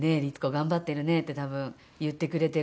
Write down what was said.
頑張ってるね」って多分言ってくれてると思います。